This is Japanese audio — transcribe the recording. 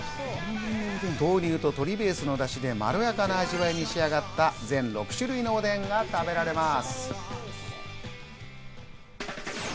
豆乳と鶏ベースのダシでまろやかな味わいに仕上がった、全６種類のおでんが食べられます。